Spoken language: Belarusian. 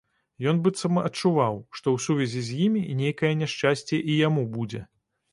Ён быццам адчуваў, што ў сувязі з імі нейкае няшчасце і яму будзе.